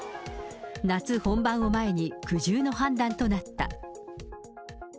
夏本番を前に、苦渋の判断となった。